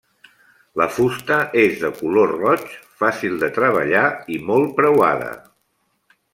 La fusta és de color roig, fàcil de treballar i molt preuada.